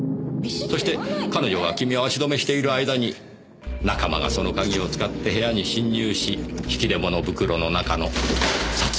そして彼女がキミを足止めしている間に仲間がその鍵を使って部屋に侵入し引き出物袋の中の札入れを捜した。